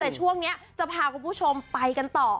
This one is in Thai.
แต่ช่วงนี้จะพาคุณผู้ชมไปกันต่อ